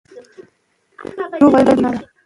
پوهه د ستونزو حل اسانه کوي.